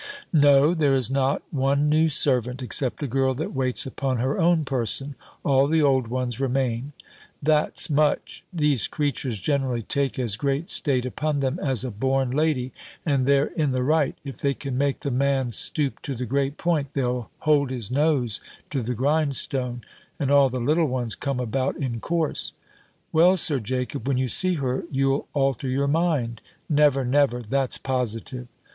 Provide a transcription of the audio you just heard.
"No, there is not one new servant, except a girl that waits upon her own person: all the old ones remain." "That's much! These creatures generally take as great state upon them as a born lady; and they're in the right. If they can make the man stoop to the great point, they'll hold his nose to the grind stone: and all the little ones come about in course." "Well, Sir Jacob, when you see her, you'll alter your mind." "Never, never; that's positive."